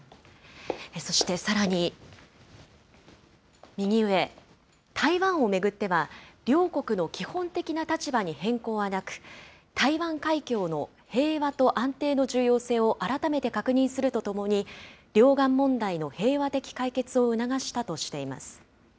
そしてさらに、右上、台湾を巡っては、両国の基本的な立場に変更はなく、台湾海峡の平和と安定の重要性を改めて確認するとともに、両岸問題の平和的解決を促したとしています。